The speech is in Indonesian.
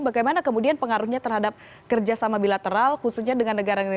bagaimana kemudian pengaruhnya terhadap kerjasama bilateral khususnya dengan negara negara lain